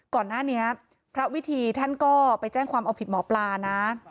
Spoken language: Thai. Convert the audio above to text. ก่อนหน้านี้พระวิธีท่านก็ไปแจ้งความเอาผิดหมอปลานะ